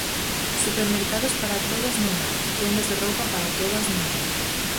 Supermercados para todas non hai, tendas de roupa para todas non hai.